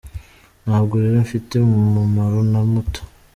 ntabwo rero ifite umumaro na muto.